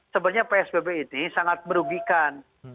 sebenarnya psbb ini sangat merugikan